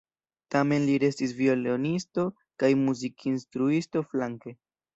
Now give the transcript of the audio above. Tamen li restis violonisto kaj muzikinstruisto flanke.